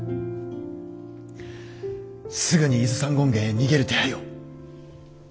すぐに伊豆山権現へ逃げる手配を。